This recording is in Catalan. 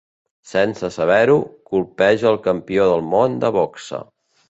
Sense saber-ho, colpeja el campió del món de boxa.